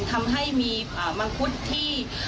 ทำให้มีมังคุดที่